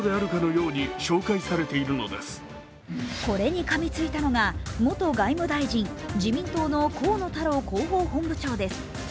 これにかみついたのが、元外務大臣、自民党の河野太郎広報本部長です。